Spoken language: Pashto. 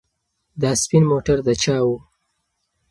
دا سپین موټر د چا و؟